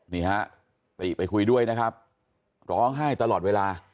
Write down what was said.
นี่ฮะติไปคุยด้วยนะครับร้องไห้ตลอดเวลา